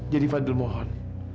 jadi fadil mohon